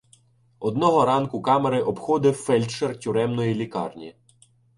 Одного ранку камери обходив фельдшер тюремної лікарні.